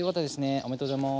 おめでとうございます。